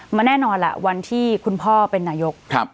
มันแน่นอนล่ะวันที่คุณพ่อเป็นนายก